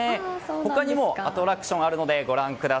他にもアトラクションがあります。